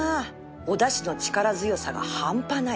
おだしの力強さが半端ない